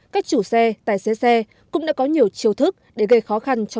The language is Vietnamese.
các chủ xe tài xế xe cũng đã có nhiều chiêu thức để gây khó khăn